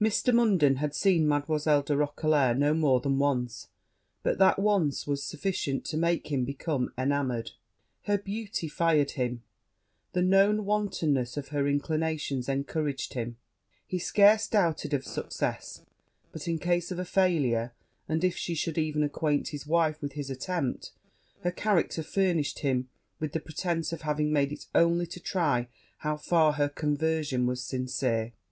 Mr. Munden had seen Mademoiselle de Roquelair no more than once; but that once was sufficient to make him become enamoured her beauty fired him the known wantonness of her inclinations encouraged him he scarce doubted of success; but in case of a failure, and if she should even acquaint his wife with his attempt, her character furnished him with the pretence of having made it only to try how far her conversion was sincere.